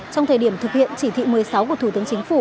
trong thời điểm thực hiện chỉ thị một mươi sáu của thủ tướng chính phủ